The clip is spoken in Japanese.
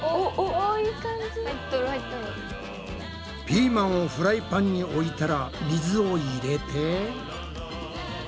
ピーマンをフライパンに置いたら水を入れて蒸し焼きに。